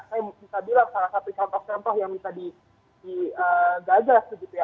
saya bisa bilang salah satu contoh contoh yang bisa digagas begitu ya